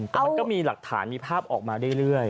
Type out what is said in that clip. แต่มันก็มีหลักฐานมีภาพออกมาเรื่อย